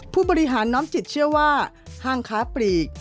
ผู้บริหารน้อมจิตเชื่อว่าห้างค้าปลีก